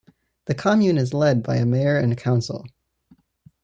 The commune is led by a mayor and a council.